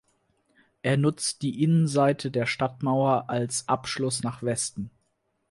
Er nutzt die Innenseite der Stadtmauer als Abschluss nach Westen.